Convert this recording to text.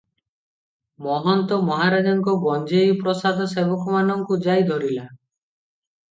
ମହନ୍ତ ମହାରାଜଙ୍କ ଗଞ୍ଜେଇ ପ୍ରସାଦସେବକମାନଙ୍କୁ ଯାଇ ଧରିଲା ।